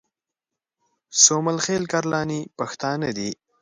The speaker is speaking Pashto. سومل خېل کرلاني پښتانه دي